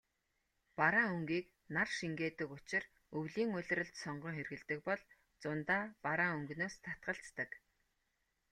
Бараан өнгийг нар шингээдэг учир өвлийн улиралд сонгон хэрэглэдэг бол зундаа бараан өнгөнөөс татгалздаг.